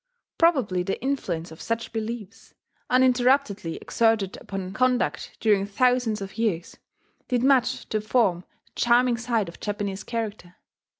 Probably the influence of such beliefs, uninterruptedly exerted upon conduct during thousands of years, did much to form the charming side of Japanese character.